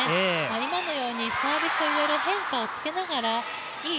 今のようにサービスをいろいろ変化をつけながらいい